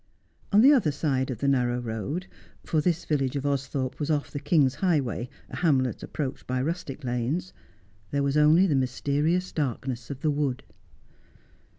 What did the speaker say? On the other side of the narrow road — for this village of Austhorpe was off the king's highway, a hamlet approached by rustic lanes — there was only the mysterious darkness of the wood.